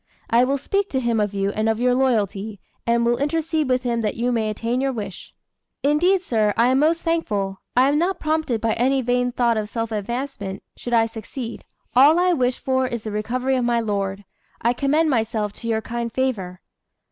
I will speak to him of you and of your loyalty, and will intercede with him that you may attain your wish." "Indeed, sir, I am most thankful. I am not prompted by any vain thought of self advancement, should I succeed: all I wish for is the recovery of my lord. I commend myself to your kind favour."